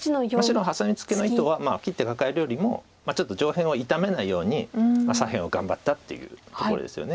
白のハサミツケの意図は切ってカカえるよりもちょっと上辺を傷めないように左辺を頑張ったというところですよね。